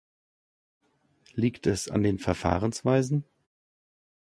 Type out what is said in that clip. Liegt es an den Verfahrensweisen?